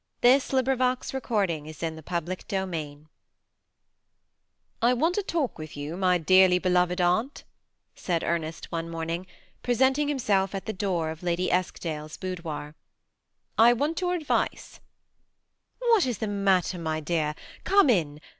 THE SEMI ATTACHED COUPLE, 861 CHAPTER XLVIIL " I WANT a talk with you, my dearly beloved aunt," said Ernest one morning, presenting himself at the door of Lady Eskdale's boudoir ;" I want your advice." *' What is the matter, my dear, come in.